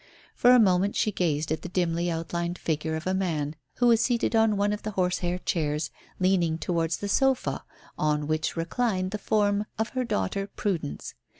For a moment she gazed at the dimly outlined figure of a man who was seated on one of the horse hair chairs, leaning towards the sofa on which reclined the form of her daughter, Prudence.